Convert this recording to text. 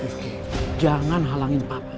rifki jangan halangin papa